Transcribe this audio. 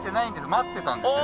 待ってたんですよ